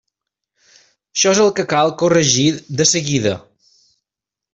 Això és el que cal corregir de seguida.